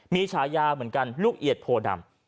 มีฉายาเหมือนกันลูกเอียดโพดำ